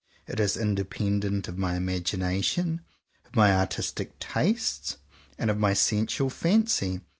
It is independent of my imagination, of my artistic tastes, and of my sensual fancy.